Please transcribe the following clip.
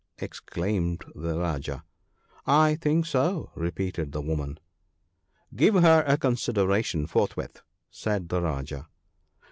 exclaimed the Rajah. " I think so !" repeated the woman. " Give her a consideration forthwith," said the Rajah.